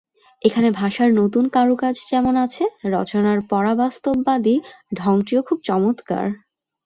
এখানে ভাষার নতুন কারুকাজ যেমন আছে, রচনার পরাবাস্তববাদী ঢংটিও খুব চমৎকার।